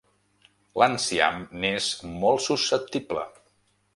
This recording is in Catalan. L'enciam n'és molt susceptible.